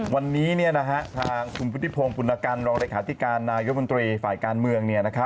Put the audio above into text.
วันนี้ทางคุณพุทธิพงศ์ปุณกันรองเลขาธิการนายกมนตรีฝ่ายการเมือง